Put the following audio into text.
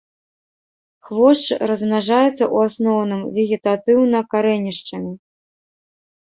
Хвошч размнажаецца ў асноўным вегетатыўна карэнішчамі.